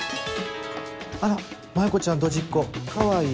あら舞子ちゃんドジっ子かわいい。